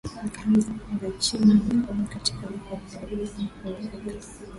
Ba china beko na katisha na kazi bila kupumuzika